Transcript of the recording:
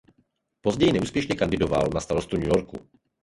Později neúspěšně kandidoval na starostu New Yorku.